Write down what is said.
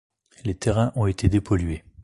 Les terrains ont été dépollués.